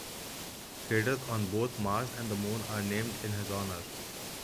Craters on both Mars and the Moon are named in his honor.